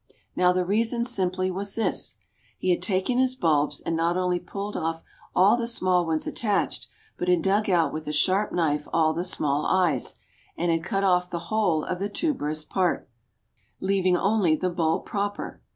"Now the reason simply was this: He had taken his bulbs and not only pulled off all the small ones attached, but had dug out with a sharp knife all the small eyes, and had cut off the whole of the tuberous part, leaving only the bulb proper.